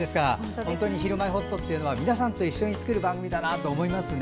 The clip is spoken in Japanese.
本当に「ひるまえほっと」というのは皆さんと一緒に作る番組だなと思いますね。